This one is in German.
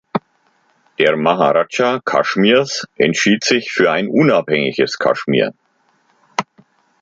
Der Maharaja Kaschmirs entschied sich für ein unabhängiges Kaschmir.